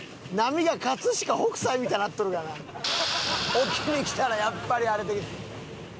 沖に来たらやっぱり荒れてきた。